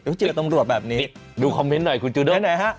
ไม่เคยเจอตำรวจแบบนี้ดูคอมเม้นต์หน่อยคุณจูด้มให้หน่อยฮะ